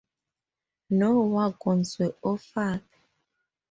No wagons were offered.